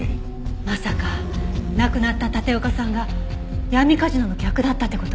まさか亡くなった立岡さんが闇カジノの客だったって事？